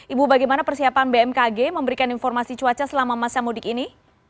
ibu bagaimana persiapan bmkg memberikan informasi cuaca selama masa mudik ini